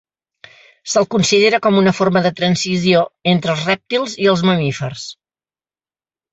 Se'l considera com una forma de transició entre els rèptils i els mamífers.